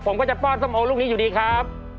ผมก็จะป้อนส้มโอลูกนี้อยู่ดีครับ